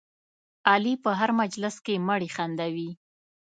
علي په هر مجلس کې مړي خندوي.